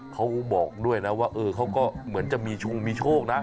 เขาบอกด้วยนะว่าเออเขาก็เหมือนจะมีชงมีโชคนะ